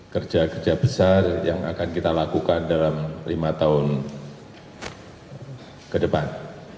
kerja kerja besar yang akan kita lakukan dalam lima tahun ke depan